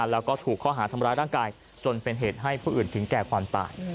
แล้วก็ถูกข้อหาทำร้ายร่างกายจนเป็นเหตุให้ผู้อื่นถึงแก่ความตาย